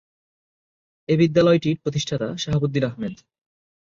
এই বিদ্যালয়টির প্রতিষ্ঠাতা শাহাবুদ্দিন আহমেদ।